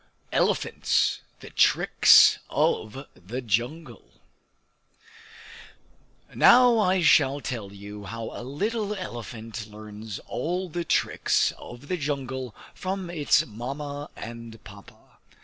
Elephants: The Tricks of the Jungle Now I shall tell you how a little elephant learns all the tricks of the jungle from its Mamma and Papa.